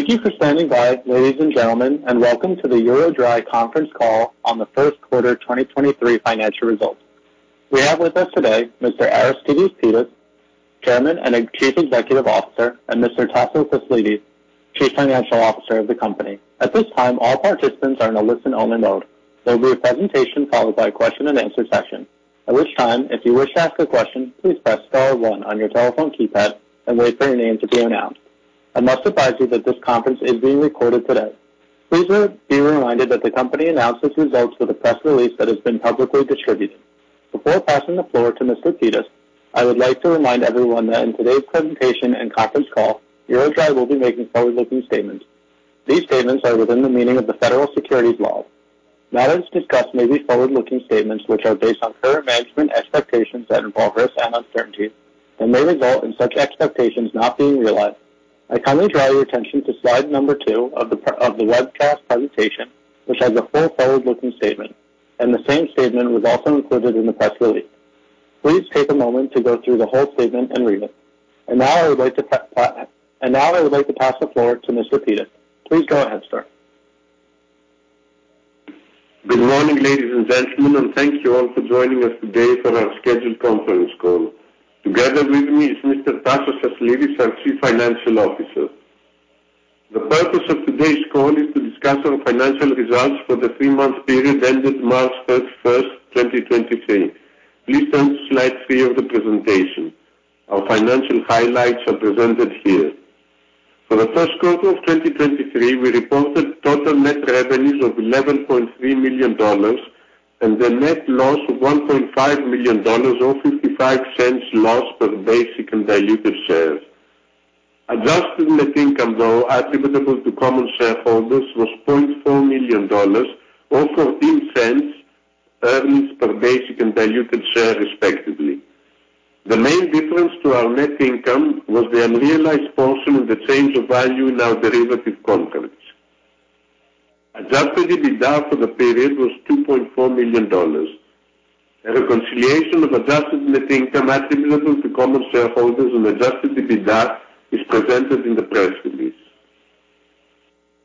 Thank you for standing by, ladies and gentlemen, and welcome to the EuroDry Conference Call on the first quarter 2023 financial results. We have with us today Mr. Aristides Pittas, Chairman and Chief Executive Officer, and Mr. Anastasios Aslidis, Chief Financial Officer of the company. At this time, all participants are in a listen-only mode. There will be a presentation followed by question and answer session. At which time, if you wish to ask a question, please press star 1 on your telephone keypad and wait for your name to be announced. I must advise you that this conference is being recorded today. Please be reminded that the company announces results with a press release that has been publicly distributed. Before passing the floor to Mr. Pittas, I would like to remind everyone that in today's presentation and conference call, EuroDry will be making forward-looking statements. These statements are within the meaning of the federal securities law. Matters discussed may be forward-looking statements which are based on current management expectations that involve risk and uncertainty and may result in such expectations not being realized. I kindly draw your attention to slide number two of the webcast presentation, which has a full forward-looking statement, and the same statement was also included in the press release. Please take a moment to go through the whole statement and read it. I would like to pass the floor to Mr. Pittas. Please go ahead, sir. Good morning, ladies and gentlemen, thank you all for joining us today for our scheduled conference call. Together with me is Mr. Tasos Aslidis, our Chief Financial Officer. The purpose of today's call is to discuss our financial results for the 3-month period ended March 31st, 2023. Please turn to slide 3 of the presentation. Our financial highlights are presented here. For the first quarter of 2023, we reported total net revenues of $11.3 million and a net loss of $1.5 million or $0.55 loss per basic and diluted share. Adjusted net income, though, attributable to common shareholders was $0.4 million or $0.14 earnings per basic and diluted share, respectively. The main difference to our net income was the unrealized portion of the change of value in our derivative contracts. Adjusted EBITDA for the period was $2.4 million. A reconciliation of adjusted net income attributable to common shareholders and adjusted EBITDA is presented in the press release.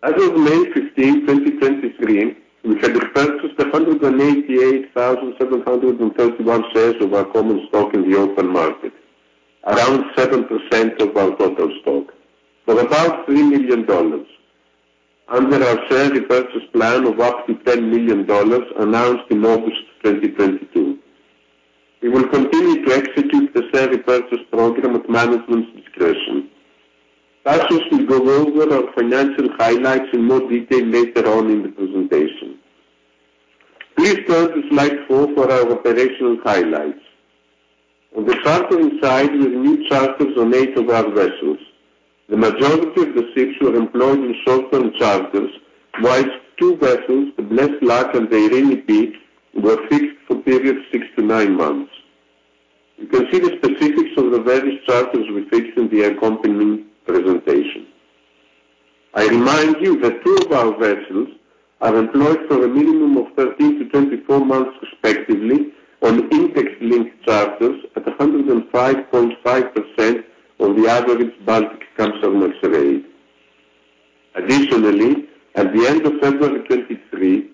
As of May 15, 2023, we had repurchased 188,731 shares of our common stock in the open market, around 7% of our total stock for about $3 million under our share repurchase plan of up to $10 million announced in August 2022. We will continue to execute the share repurchase program at management's discretion. Taso should go over our financial highlights in more detail later on in the presentation. Please turn to slide 4 for our operational highlights. On the chartering side, we have new charters on eight of our vessels. The majority of the 6 were employed in short-term charters, whilst two vessels, the Blessed Luck and the Eirini P, were fixed for periods 6-9 months. You can see the specifics of the various charters we fixed in the accompanying presentation. I remind you that two of our vessels are employed for a minimum of 13-24 months, respectively, on index-linked charters at 105.5% on the average Baltic Kamsarmax rate. At the end of February 2023,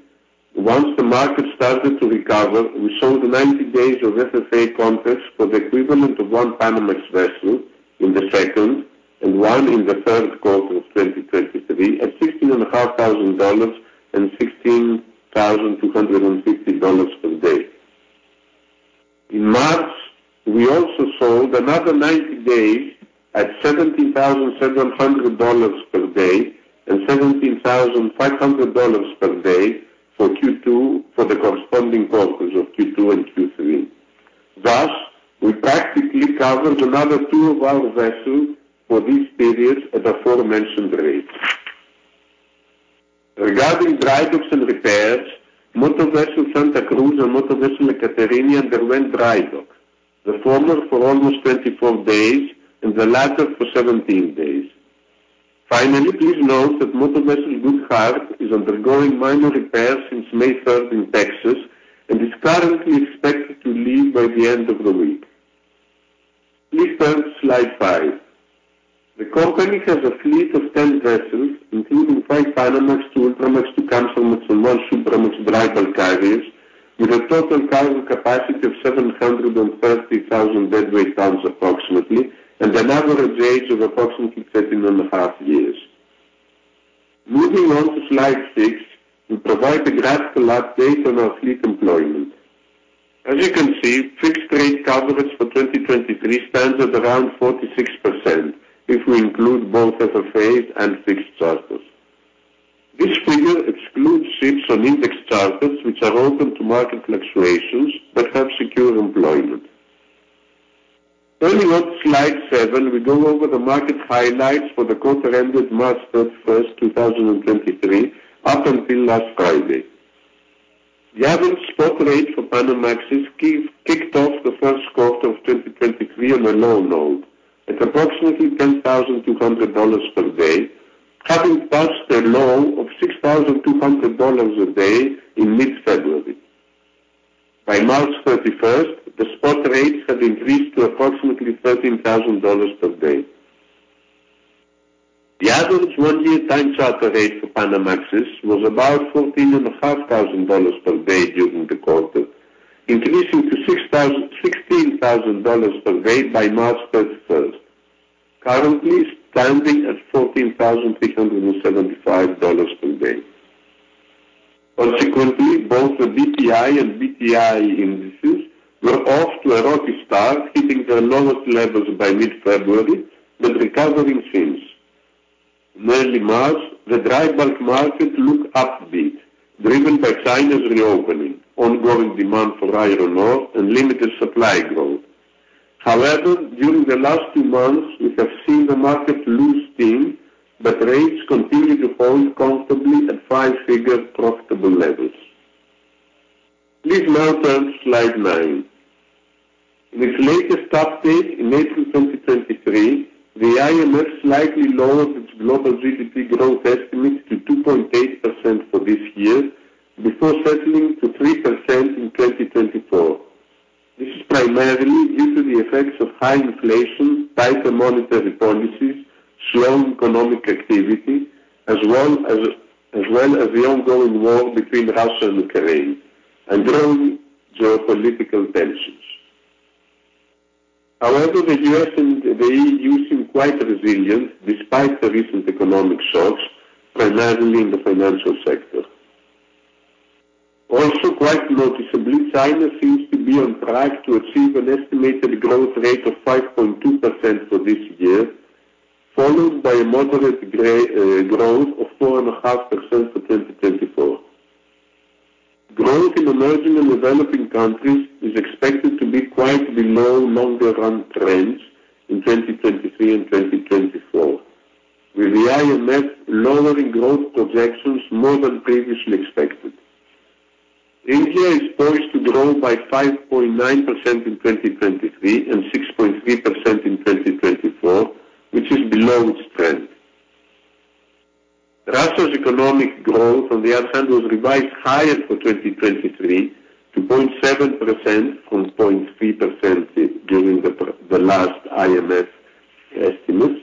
once the market started to recover, we sold 90 days of FFA contracts for the equivalent of 1 Panamax vessel in the second and 1 in the third quarter of 2023 at $16,500 and $16,250 per day. In March, we also sold another 90 days at $17,700 per day and $17,500 per day for Q2, for the corresponding quarters of Q2 and Q3. We practically covered another 2 of our vessels for these periods at aforementioned rates. Regarding dry docks and repairs, Motor Vessel Santa Cruz and Motor Vessel Ekaterini underwent dry dock, the former for almost 24 days and the latter for 17 days. Please note that Motor Vessel Good Heart is undergoing minor repairs since May 3rd in Texas and is currently expected to leave by the end of the week. Please turn to slide 5. The company has a fleet of 10 vessels, including five Panamax, two Ultramax, two Kamsarmax, and one Supramax dry bulk carriers with a total cargo capacity of 730,000 deadweight tons approximately and an average age of approximately thirteen and a half years. Moving on to slide six, we provide a graphical update on our fleet employment. As you can see, fixed rate coverage for 2023 stands at around 46% if we include both FFAs and fixed charters. This figure excludes ships on index charters which are open to market fluctuations but have secure employment. Turning on slide seven, we go over the market highlights for the quarter ended March third first 2023 up until last Friday. The average spot rate for Panamax kicked off the first quarter of 2023 on a low note at approximately $10,200 per day, having touched a low of $6,200 a day in mid-February. By March 31st, the spot rates had increased to approximately $13,000 per day. The average 1-year time charter rate for Panamax was about $14,500 per day during the quarter, increasing to $16,000 per day by March 31st, currently standing at $14,375 per day. Both the BPI and BTI indices were off to a rocky start, hitting their lowest levels by mid-February but recovering since. Nearly March, the dry bulk market looked upbeat, driven by China's reopening, ongoing demand for iron ore and limited supply growth. During the last two months, we have seen the market lose steam, but rates continue to hold comfortably at five-figure profitable levels. Please now turn to slide 9. This latest update in April 2023, the IMF slightly lowered its global GDP growth estimate to 2.8% for this year, before settling to 3% in 2024. This is primarily due to the effects of high inflation, tighter monetary policies, slow economic activity, as well as the ongoing war between Russia and Ukraine and growing geopolitical tensions. The U.S. and the E.U. seem quite resilient despite the recent economic shocks, primarily in the financial sector. Also, quite noticeably, China seems to be on track to achieve an estimated growth rate of 5.2% for this year, followed by a moderate growth of 4.5% for 2024. Growth in emerging and developing countries is expected to be quite below longer run trends in 2023 and 2024, with the IMF lowering growth projections more than previously expected. India is poised to grow by 5.9% in 2023 and 6.3% in 2024, which is below its trend. Russia's economic growth, on the other hand, was revised higher for 2023 to 0.7% from 0.3% during the last IMF estimates.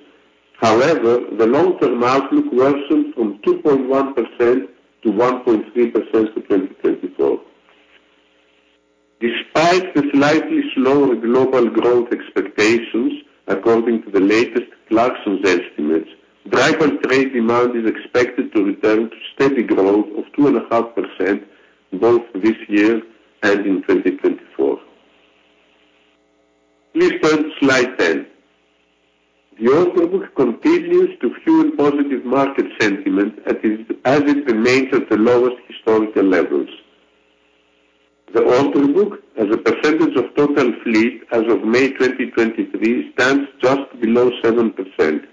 However, the long-term outlook worsened from 2.1% to 1.3% for 2024. Despite the slightly slower global growth expectations, according to the latest Clarksons estimates, dry bulk trade demand is expected to return to steady growth of 2.5% both this year and in 2024. Please turn to slide 10. The order book continues to fuel positive market sentiment as it remains at the lowest historical levels. The order book as a percentage of total fleet as of May 2023 stands just below 7%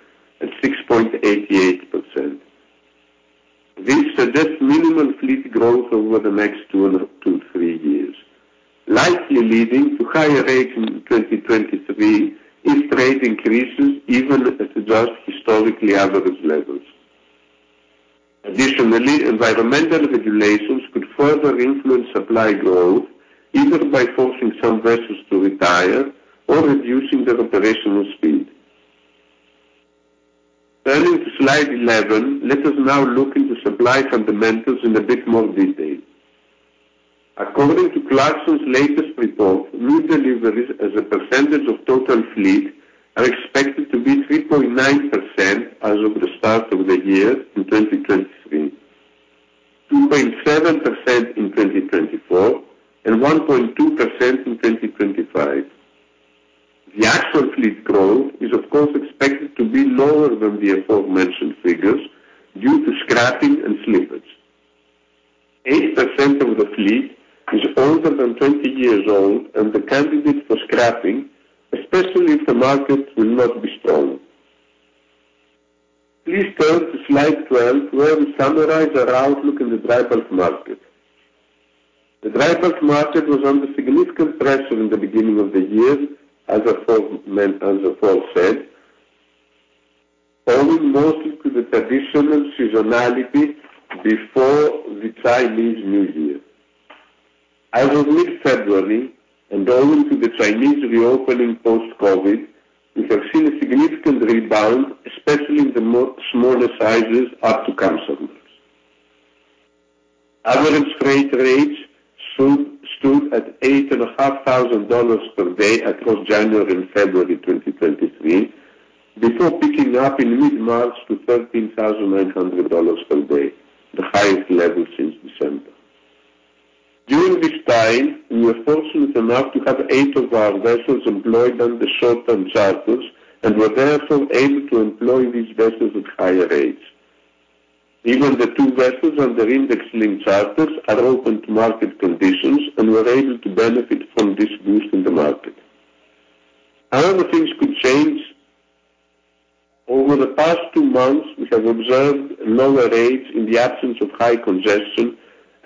at 6.88%. This suggests minimum fleet growth over the next two and up to three years, likely leading to higher rates in 2023 if trade increases even at just historically average levels. Environmental regulations could further influence supply growth, either by forcing some vessels to retire or reducing their operational speed. Turning to slide 11, let us now look into supply fundamentals in a bit more detail. According to Clarksons' latest report, new deliveries as a percentage of total fleet are expected to be 3.9% as of the start of the year in 2023, 2.7% in 2024, and 1.2% in 2025. The actual fleet growth is of course expected to be lower than the aforementioned figures due to scrapping and slippage. 8% of the fleet is older than 20 years old and a candidate for scrapping, especially if the market will not be strong. Please turn to slide 12, where we summarize our outlook in the dry bulk market. The dry bulk market was under significant pressure in the beginning of the year as aforementioned, owing mostly to the traditional seasonality before the Chinese New Year. As of mid-February and owing to the Chinese reopening post-COVID, we have seen a significant rebound, especially in the smaller sizes up to Panamax. Average freight rates stood at $8,500 per day across January and February 2023, before picking up in mid-March to $13,900 per day, the highest level since December. During this time, we were fortunate enough to have 8 of our vessels employed under short-term charters and were therefore able to employ these vessels at higher rates. Even the 2 vessels under index-linked charters are open to market conditions and were able to benefit from this boost in the market. Things could change. Over the past two months, we have observed lower rates in the absence of high congestion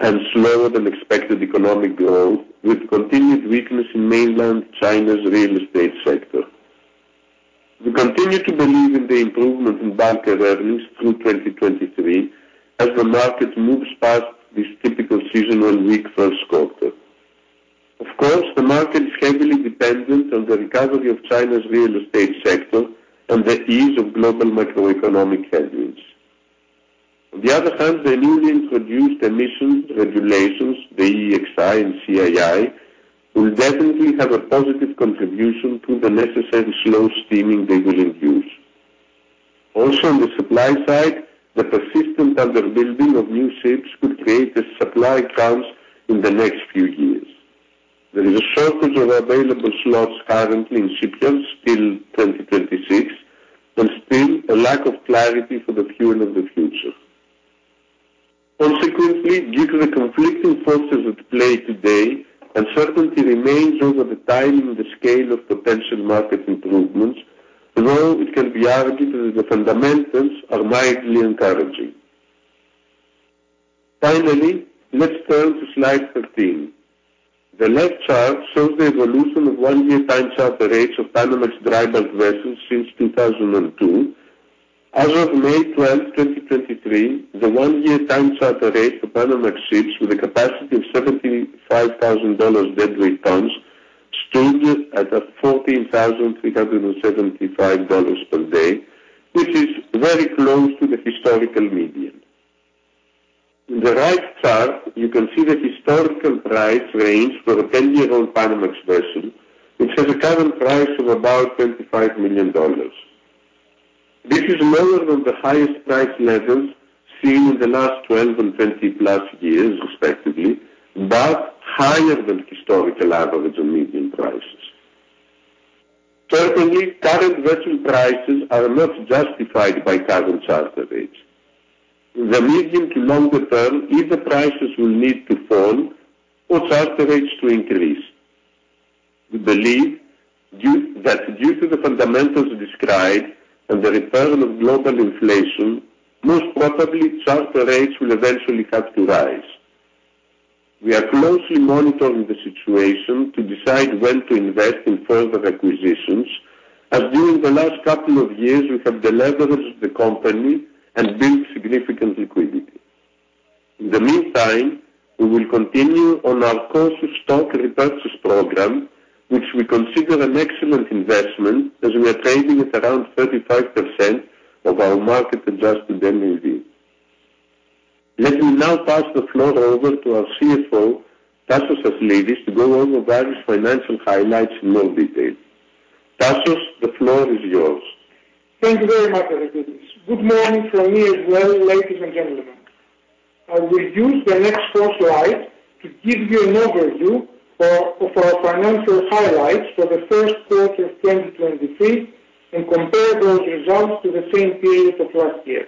and slower than expected economic growth, with continued weakness in mainland China's real estate sector. We continue to believe in the improvement in bunker earnings through 2023 as the market moves past this typical seasonal weak first quarter. Of course, the market is heavily dependent on the recovery of China's real estate sector and the ease of global macroeconomic headwinds. On the other hand, the newly introduced emission regulations, the EEXI and CII, will definitely have a positive contribution to the necessary slow steaming they will induce. Also, on the supply side, the persistent under building of new ships could create a supply crunch in the next few years. There is a shortage of available slots currently in shipyards till 2026, and still a lack of clarity for the fuel of the future. Consequently, due to the conflicting forces at play today, uncertainty remains over the timing and the scale of potential market improvements, although it can be argued that the fundamentals are mildly encouraging. Let's turn to slide 13. The left chart shows the evolution of 1-year time charter rates of Panamax dry bulk vessels since 2002. As of May 12, 2023, the 1-year time charter rate for Panamax ships with a capacity of 75,000 dollars deadweight tons stood at a $14,375 per day, which is very close to the historical median. In the right chart, you can see the historical price range for a 10-year-old Panamax vessel, which has a current price of about $25 million. This is lower than the highest price levels seen in the last 12 and 20-plus years, respectively, but higher than historical average and median prices. Certainly, current vessel prices are not justified by current charter rates. In the medium to long term, either prices will need to fall or charter rates to increase. We believe that due to the fundamentals described and the return of global inflation, most probably charter rates will eventually have to rise. We are closely monitoring the situation to decide when to invest in further acquisitions, as during the last couple of years we have de-leveraged the company and built significant liquidity. In the meantime, we will continue on our course of stock repurchase program, which we consider an excellent investment as we are trading at around 35% of our market adjusted NAV. Let me now pass the floor over to our CFO, Tasos Aslidis, to go over various financial highlights in more detail. Tasos, the floor is yours. Thank you very much, Evangelis. Good morning from me as well, ladies and gentlemen. I will use the next four slides to give you an overview for, of our financial highlights for the first quarter of 2023 and compare those results to the same period of last year.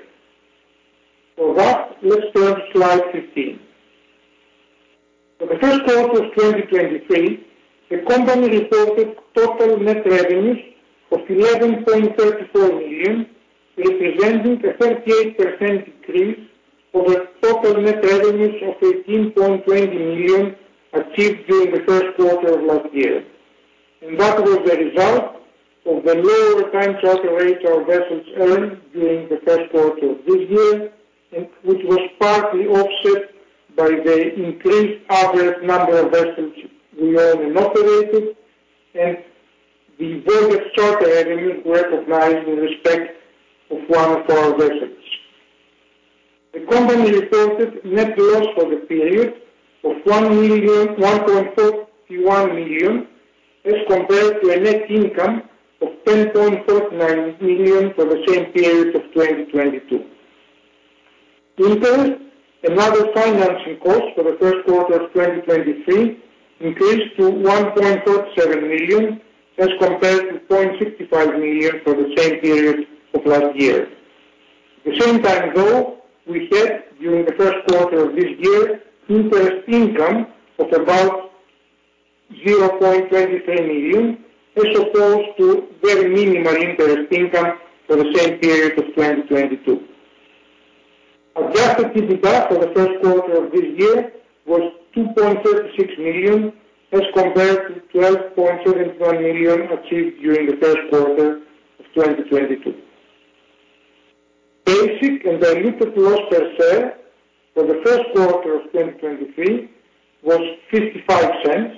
For that, let's turn to slide 15. For the first quarter of 2023, the company reported total net revenues of $11.34 million, representing a 38% decrease over total net revenues of $18.20 million achieved during the first quarter of last year. That was the result of the lower time charter rates our vessels earned during the first quarter of this year and which was partly offset by the increased average number of vessels we own and operated, and the voyage charter revenues recognized in respect of one of our vessels. The company reported net loss for the period of $1.31 million, as compared to a net income of $10.39 million for the same period of 2022. Interest and other financing costs for the first quarter of 2023 increased to $1.37 million as compared to $0.65 million for the same period of last year. At the same time though, we had during the first quarter of this year interest income of about $0.23 million, as opposed to very minimal interest income for the same period of 2022. Adjusted EBITDA for the first quarter of this year was $2.36 million, as compared to $12.7 million achieved during the first quarter of 2022. Basic and diluted loss per share for the first quarter of 2023 was $0.55,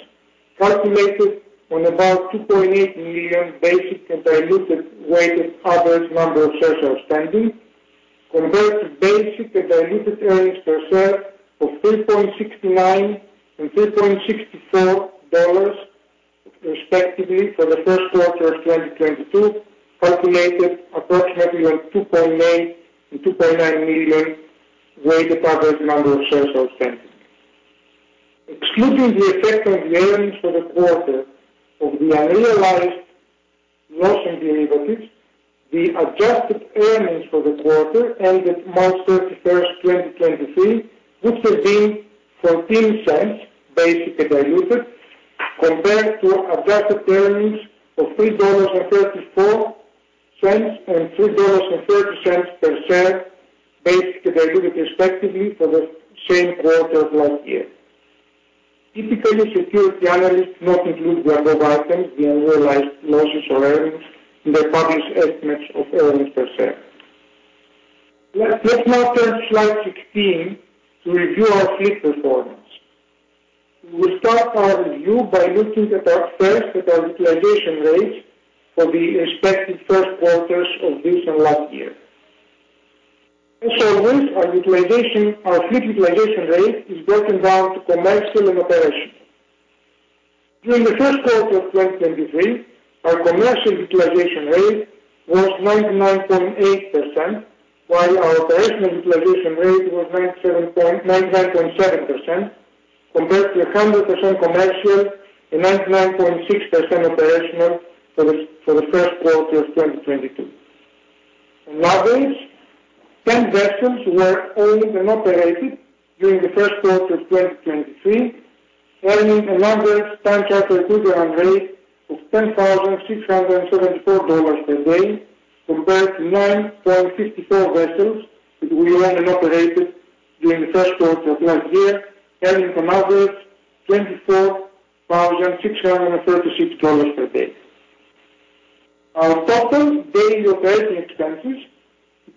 calculated on about 2.8 million basic and diluted weighted average number of shares outstanding, compared to basic and diluted earnings per share of $3.69 and $3.64 respectively for the first quarter of 2022, calculated approximately on 2.8 million and 2.9 million weighted average number of shares outstanding. Excluding the effect on the earnings for the quarter of the unrealized loss in derivatives, the adjusted earnings for the quarter ended March 31, 2023, would have been $0.14 basic and diluted compared to adjusted earnings of $3.34 and $3.30 per share, basic and diluted respectively, for the same quarter of last year. Typically, security analysts not include one of items, the unrealized losses or earnings in their published estimates of earnings per share. Let's now turn to slide 16 to review our fleet performance. We start our review by looking at our utilization rates for the expected first quarters of this and last year. With our utilization, our fleet utilization rate is broken down to commercial and operational. During the first quarter of 2023, our commercial utilization rate was 99.8% while our operational utilization rate was 99.7% compared to 100 commercial and 99.6% operational for the first quarter of 2022. On average, 10 vessels were owned and operated during the first quarter of 2023, earning an average time charter equivalent rate of $10,674 per day compared to 9.54 vessels that we owned and operated during the first quarter of last year, earning an average $24,636 per day. Our total daily operating expenses,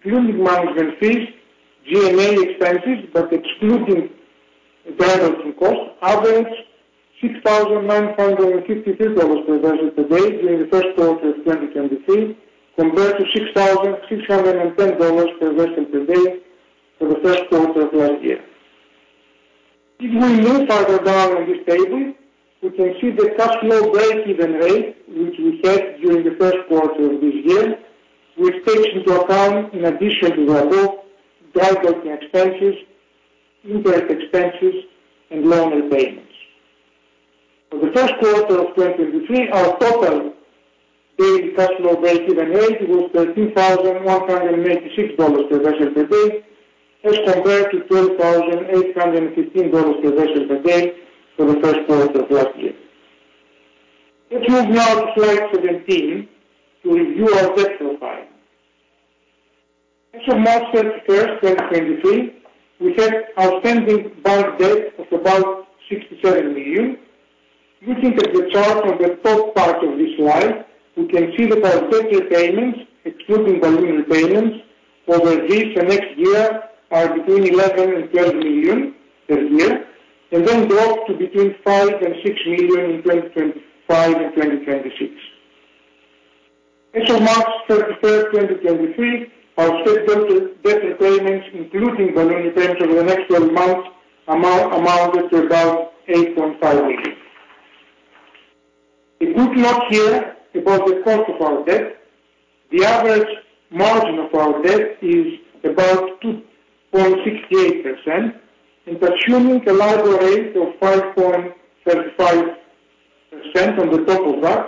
including management fees, G&A expenses, but excluding dry docking costs, averaged $6,953 per vessel per day during the first quarter of 2023 compared to $6,610 per vessel per day for the first quarter of last year. We can see the cash flow breakeven rate which we had during the first quarter of this year which takes into account in addition to our low dry docking expenses, interest expenses and loan repayments. For the first quarter of 2023, our total daily cash flow breakeven rate was $13,186 per vessel per day as compared to $12,815 per vessel per day for the first quarter of last year. Let's move now to slide 17 to review our debt profile. As of March 31, 2023, we had outstanding bond debt of about $67 million. Looking at the chart on the top part of this slide, we can see that our debt repayments, excluding balloon repayments over this and next year are between $11 million and $12 million per year and then drop to between $5 million and $6 million in 2025 and 2026. As of March 31, 2023, our scheduled debt repayments including balloon repayments over the next 12 months amounted to about $8.5 million. If we look here above the cost of our debt, the average margin of our debt is about 2.68%, and assuming a LIBOR rate of 5.35% on the top of that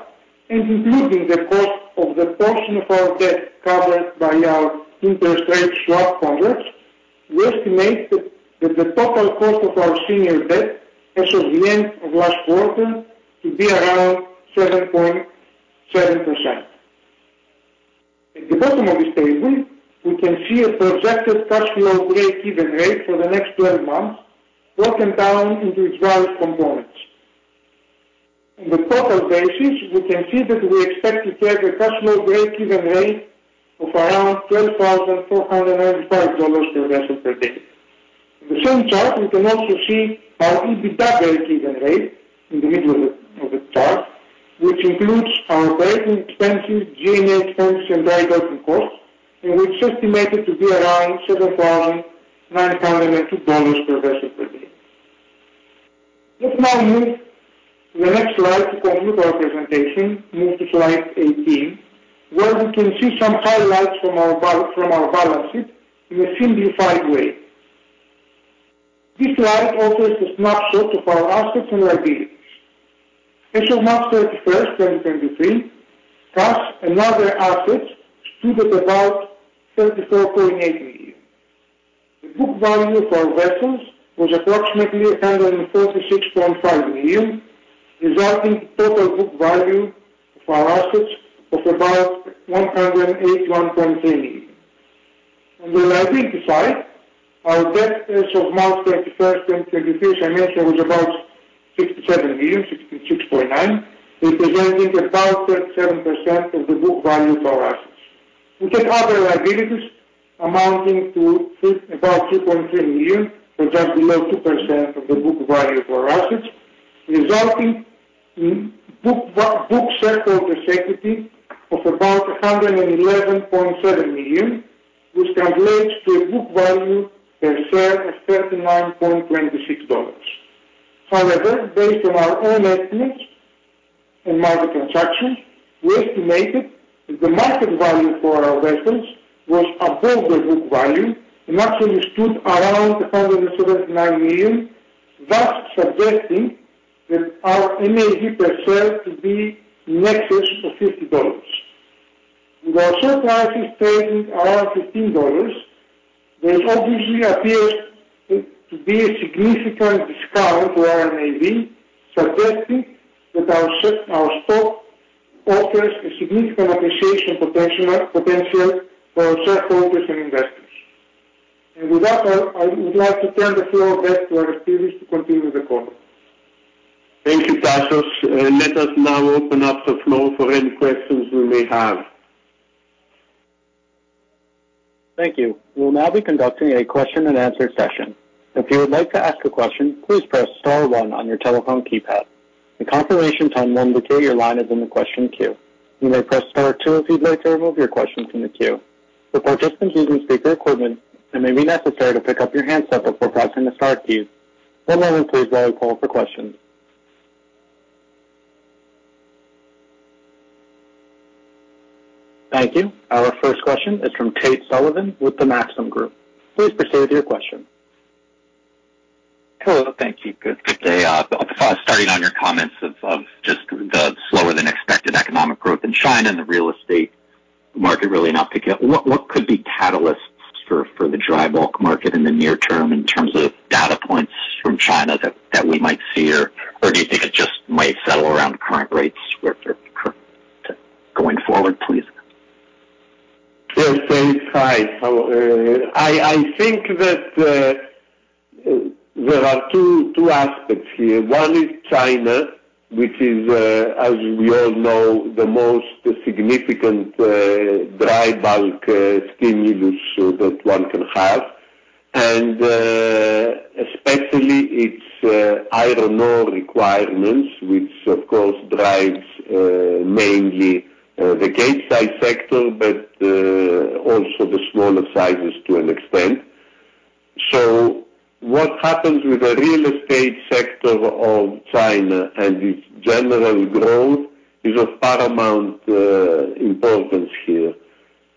and including the cost of the portion of our debt covered by our interest rate swap contracts, we estimate that the total cost of our senior debt as of the end of last quarter to be around 7.7%. At the bottom of this table, we can see a projected cash flow breakeven rate for the next 12 months broken down into its various components. In the total basis, we can see that we expect to have a cash flow breakeven rate of around $12,495 per vessel per day. In the same chart we can also see our EBITDA breakeven rate in the middle of the chart, which includes our operating expenses, G&A expenses, and dry docking costs, and which is estimated to be around $7,902 per vessel per day. Let's now move to the next slide to conclude our presentation. Move to slide 18, where we can see some highlights from our balance sheet in a simplified way. This slide offers a snapshot of our assets and liabilities. As of March 31st, 2023, cash and other assets stood at about $34.8 million. The book value of our vessels was approximately $136.5 million, resulting total book value of our assets of about $181.3 million. On the liability side, our debt as of March 31, 2023, as I mentioned, was about $67 million, $66.9 million, representing about 37% of the book value of our assets. We have other liabilities amounting to about $3.3 million or just below 2% of the book value of our assets, resulting in book shareholder's equity of about $111.7 million, which translates to a book value per share of $39.26. However, based on our own estimates and market transactions, we estimated that the market value for our vessels was above the book value and actually stood around $179 million, thus suggesting that our NAV per share to be in excess of $50. With our share prices trading around $15, there obviously appears to be a significant discount to our NAV, suggesting that our stock offers a significant appreciation potential for our shareholders and investors. With that, I would like to turn the floor back to Aristidis to continue with the call. Thank you, Tasos. Let us now open up the floor for any questions we may have. Thank you. We'll now be conducting a question and answer session. If you would like to ask a question, please press star one on your telephone keypad. A confirmation tone will indicate your line is in the question queue. You may press star two if you'd like to remove your question from the queue. For participants using speaker equipment, it may be necessary to pick up your handset before pressing the star key. One moment please while we call for questions. Thank you. Our first question is from Tate Sullivan with the Maxim Group. Please proceed with your question. Hello. Thank you. Good, good day. Starting on your comments of just the slower than expected economic growth in China and the real estate market really not picking up. What could be catalysts for the dry bulk market in the near term in terms of data points from China that we might see? Or do you think it just might settle around current rates for going forward, please? Yes, Tate. Hi. Hello. I think that there are two aspects here. One is China, which is, as we all know, the most significant dry bulk stimulus that one can have. Especially its iron ore requirements, which of course drives mainly the Capesize sector, but also the smaller sizes to an extent. What happens with the real estate sector of China and its general growth is of paramount importance here.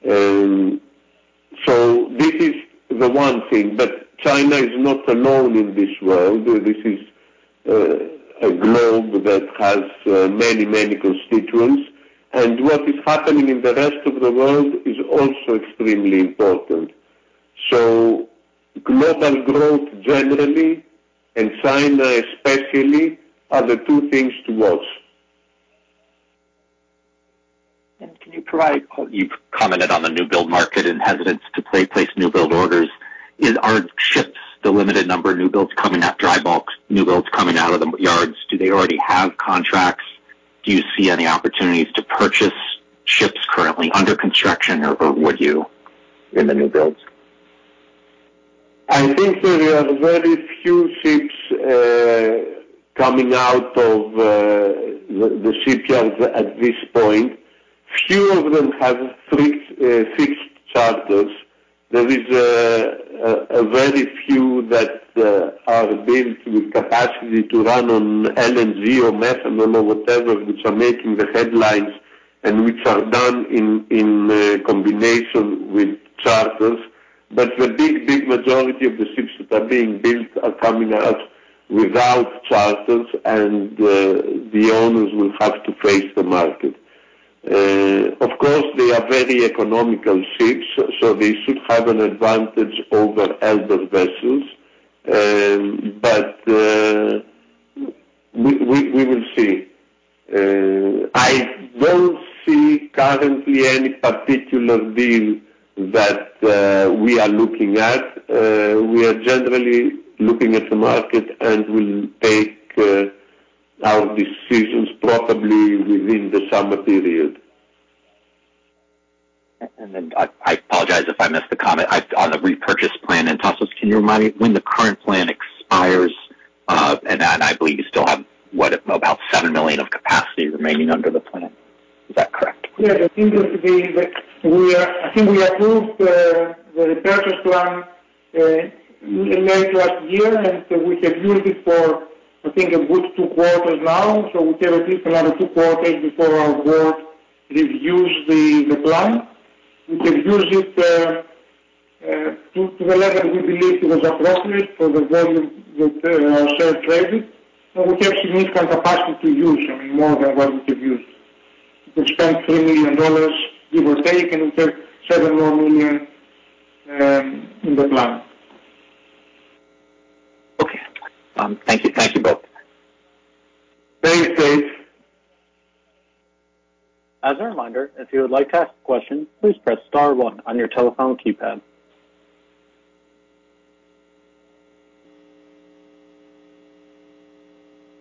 This is the one thing. China is not alone in this world. This is a globe that has many constituents. What is happening in the rest of the world is also extremely important. Global growth generally and China especially are the two things to watch. You've commented on the new build market and hesitance to place new build orders. Are ships, the limited number of new builds coming at dry bulks, new builds coming out of the yards, do they already have contracts? Do you see any opportunities to purchase ships currently under construction or would you in the new builds? I think there are very few ships coming out of the shipyards at this point. Few of them have fixed charters. There is a very few that are built with capacity to run on LNG or methanol or whatever, which are making the headlines and which are done in combination with charters. The big, big majority of the ships that are being built are coming out without charters and the owners will have to face the market. Of course, they are very economical ships, so they should have an advantage over elder vessels. But we will see. I don't see currently any particular deal that we are looking at. We are generally looking at the market and will take our decisions probably within the summer period. I apologize if I missed the comment. on the repurchase plan. Tasos, can you remind me when the current plan expires? I believe you still have, what, about $7 million of capacity remaining under the plan. Is that correct? Yeah. That seems to be that I think we approved the repurchase plan late last year, and we have used it for, I think a good 2 quarters now. We can at least another 2 quarters before our Board reviews the plan. We can use it to the level we believe it was appropriate for the volume that our shares traded. We have significant capacity to use, I mean, more than what we could use. We spent $3 million give or take, and we have $7 million in the plan. Okay. Thank you. Thank you both. Thanks, Tate. As a reminder, if you would like to ask a question, please press star one on your telephone keypad.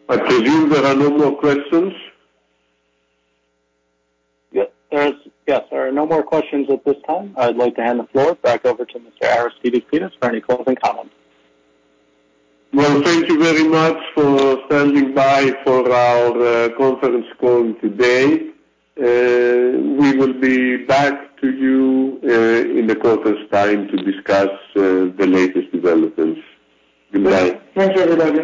I presume there are no more questions. Yes, there is. There are no more questions at this time. I'd like to hand the floor back over to Mr. Aristides Pittas for any closing comments. Well, thank you very much for standing by for our conference call today. We will be back to you in the quarters time to discuss the latest developments. Goodbye. Thanks, everybody.